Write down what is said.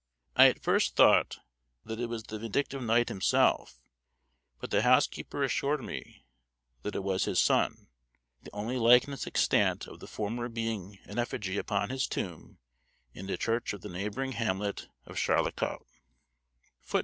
I at first thought that it was the vindictive knight himself, but the housekeeper assured me that it was his son; the only likeness extant of the former being an effigy upon his tomb in the church of the neighboring hamlet of Charlecot.